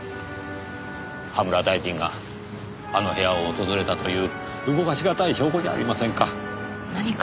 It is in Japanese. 葉村大臣があの部屋を訪れたという動かし難い証拠じゃありませんか。